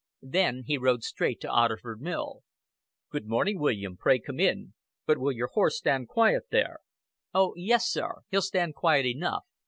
Then he rode straight to Otterford Mill. "Good morning, William. Pray come in. But will your horse stand quiet there?" "Oh, yes, sir. He'll stand quiet enough.